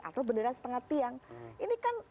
atau bendera setengah tiang ini kan